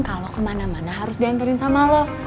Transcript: kalau kemana mana harus diantarin sama lo